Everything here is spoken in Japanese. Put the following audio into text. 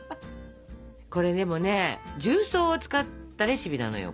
これでもね重曹を使ったレシピなのよ。